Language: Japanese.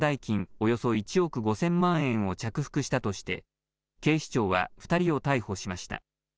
およそ１億５０００万円を着服したとして警視庁は２人を逮捕しました。